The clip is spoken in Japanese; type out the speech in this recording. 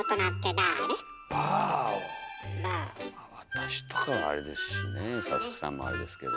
私とかはあれですしね佐々木さんもあれですけど。